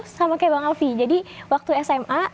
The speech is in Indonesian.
sama kayak bang alvi jadi waktu sma